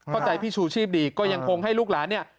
พี่ชูชีพดีก็ยังคงให้ลูกหลานเนี่ย